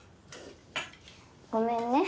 ごめんね。